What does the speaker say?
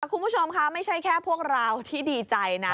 คุณผู้ชมค่ะไม่ใช่แค่พวกเราที่ดีใจนะ